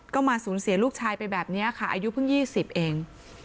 ก็มาสูญเสียลูกชายไปแบบนี้ค่ะอายุเพิ่ง๒๐เอง